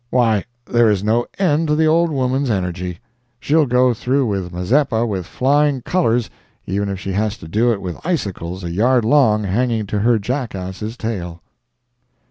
Why, there is no end to the old woman's energy. She'll go through with Mazeppa with flying colors even if she has to do it with icicles a yard long hanging to her jackass's tail.